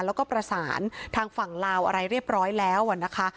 แล้วก็ประสานทางฝั่งลาวอะไรเรียบร้อยแล้วนะคะ